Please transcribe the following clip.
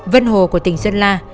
vân hồ của tỉnh sơn la